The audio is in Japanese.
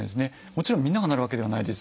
もちろんみんながなるわけではないです。